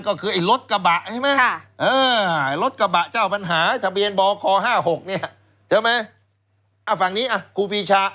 มีคลิปด้วยไง